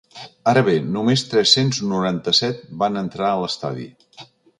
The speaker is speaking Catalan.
Ara bé, només tres-cents noranta-set van entrar a l’estadi.